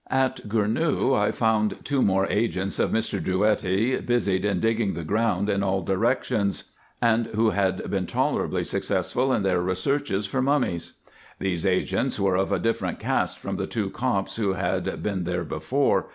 At Gournou I found two more agents of Mr. Drouetti busied in digging the ground in all directions, and who had been tolerably successful in their researches for mummies. These agents were of a different cast from the two Copts who had been there before.